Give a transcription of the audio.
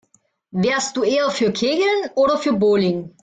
Wärst du eher für Kegeln oder für Bowling?